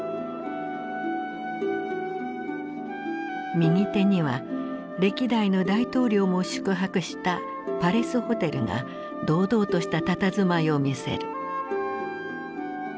右手には歴代の大統領も宿泊したパレスホテルが堂々としたたたずまいを見せる。